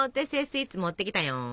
スイーツ持ってきたよん！